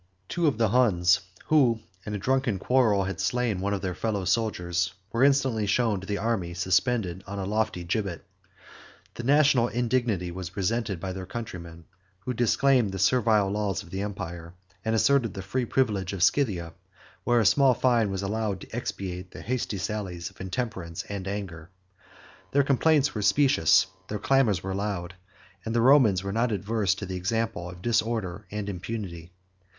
Two of the Huns, who in a drunken quarrel had slain one of their fellow soldiers, were instantly shown to the army suspended on a lofty gibbet. The national indignity was resented by their countrymen, who disclaimed the servile laws of the empire, and asserted the free privilege of Scythia, where a small fine was allowed to expiate the hasty sallies of intemperance and anger. Their complaints were specious, their clamors were loud, and the Romans were not averse to the example of disorder and impunity.